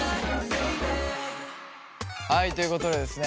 はいということでですね